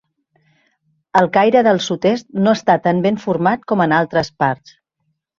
El caire del sud-est no està tan ben format com en altres parts.